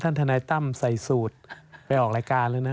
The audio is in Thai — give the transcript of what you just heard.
ทนายตั้มใส่สูตรไปออกรายการเลยนะ